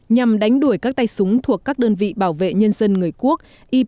nhằm đánh đuổi các tay súng thuộc các đơn vị bảo vệ nhân dân người quốc